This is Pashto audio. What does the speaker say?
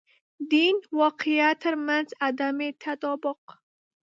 دین واقعیت تر منځ عدم تطابق.